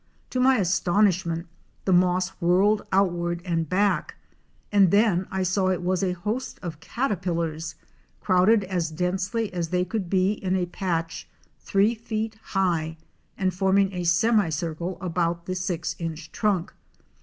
To my astonishment the moss whirled outward and back, and then I saw it was a host of caterpillars crowded as densely as they could be in a patch three feet high and forming a semicircle about the six inch trunk.